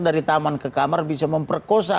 dari taman ke kamar bisa memperkosa